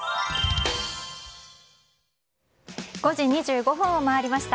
５時２５分を回りました。